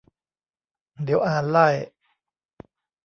เดี๋ยวอ่านไล่